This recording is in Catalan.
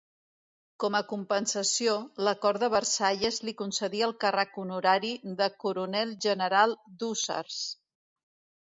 Com a compensació, la cort de Versalles li concedí el càrrec honorari de coronel-general d'hússars.